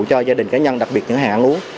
cho gia đình cá nhân đặc biệt những hàng ăn uống